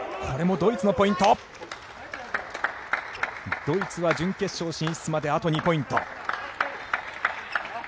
ドイツは準決勝進出まであと２ポイント。